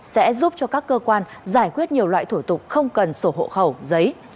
sẽ giúp cho các cơ quan giải quyết nhiều loại thủ tục không cần sổ hộ khẩu giấy